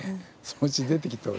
そのうち出てきて。